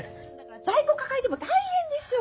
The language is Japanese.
在庫抱えても大変でしょう。